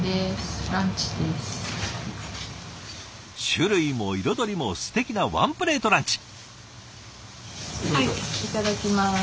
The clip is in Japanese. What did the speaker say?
種類も彩りもすてきなワンプレートランチ。